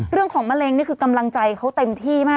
มะเร็งนี่คือกำลังใจเขาเต็มที่มาก